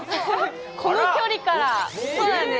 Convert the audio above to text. この距離から、そうなんです。